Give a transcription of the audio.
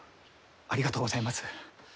ありがとうございます。